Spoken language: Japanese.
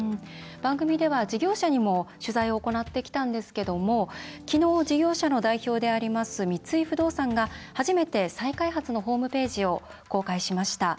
番組では事業者にも取材を行ってきたんですけどきのう事業者の代表であります三井不動産が初めて再開発のホームページを公開しました。